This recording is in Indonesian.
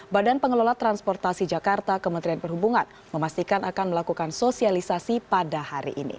badan pengelola transportasi jakarta kementerian perhubungan memastikan akan melakukan sosialisasi pada hari ini